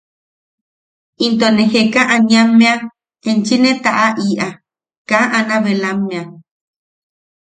Into ne Jeka Aniamme enchi ne ta’a’i’a kaa Anabelammea.